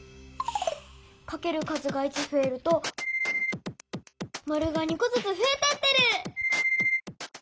かける数が１ふえるとマルが２こずつふえてってる！